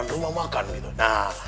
rumah makan gitu nah